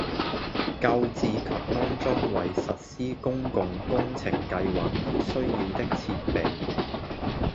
購置及安裝為實施公共工程計劃而需要的設備